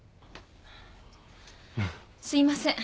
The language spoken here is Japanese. すいません。